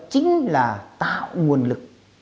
chính là tạo nguồn lực